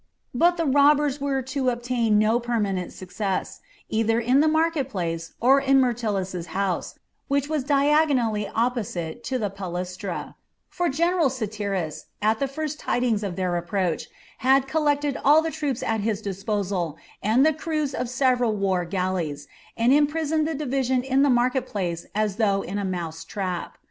But the robbers were to obtain no permanent success, either in the market place or in Myrtilus's house, which was diagonally opposite to the palaestra; for General Satyrus, at the first tidings of their approach, had collected all the troops at his disposal and the crews of several war galleys, and imprisoned the division in the market place as though in a mouse trap.